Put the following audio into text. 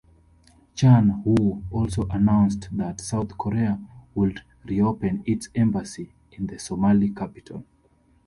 Chan-Woo also announced that South Korea would re-open its embassy in the Somali capital.